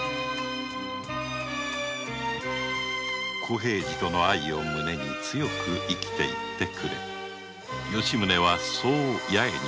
小平次との愛を胸に強く生きていってくれ吉宗はそう八重に語りかけていた